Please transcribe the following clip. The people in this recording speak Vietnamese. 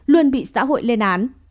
luôn bị xã hội lên án